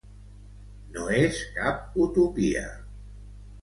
No és cap utopia.